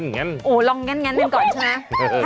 โหลองงั้นนั่นก่อนใช่ไหม